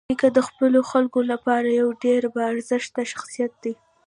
نیکه د خپلو خلکو لپاره یوه ډېره باارزښته شخصيت دی.